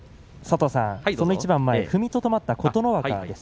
その一番前、踏みとどまった琴ノ若です。